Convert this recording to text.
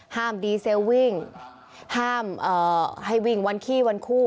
ดีเซลวิ่งห้ามให้วิ่งวันขี้วันคู่